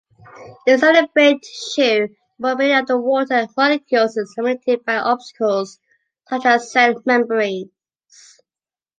Inside the brain tissue the mobility of the water molecules is limited by obstacles such as cell membranes.